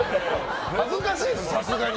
恥ずかしいですよ、さすがに。